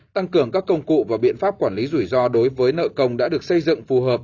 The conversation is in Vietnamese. tăng cường các công cụ và biện pháp quản lý rủi ro đối với nợ công đã được xây dựng phù hợp